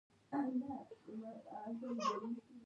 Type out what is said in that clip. له طبیعي خطرونو څخه خوندیتوب ده.